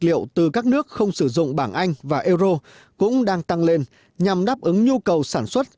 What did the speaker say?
liệu từ các nước không sử dụng bảng anh và euro cũng đang tăng lên nhằm đáp ứng nhu cầu sản xuất